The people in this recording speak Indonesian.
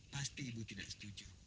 pasti ibu tidak setuju